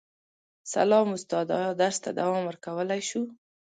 سلام استاده ایا درس ته دوام ورکولی شو